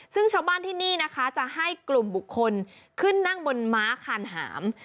ซึ่งชาวบ้านที่นี่นะคะจะให้กลุ่มบุคคลขึ้นนั่งบนม้าคานหาม